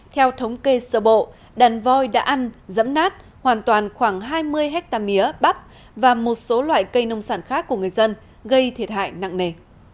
theo thống kê sơ bộ đàn voi đã ăn dẫm nát hoàn toàn khoảng hai mươi hectare mía bắp và một số loại cây nông sản khác của người dân gây thiệt hại nặng nề